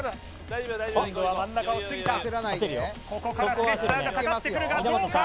今度は真ん中を過ぎたここからプレッシャーがかかってくるがどうか？